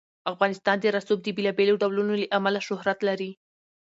افغانستان د رسوب د بېلابېلو ډولونو له امله شهرت لري.